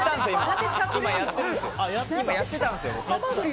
やってたんですよ、今！